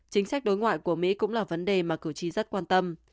chính sách đối ngoại của mỹ cũng là vấn đề mà cử tri rất quan tâm